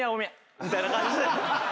「みたいな感じで」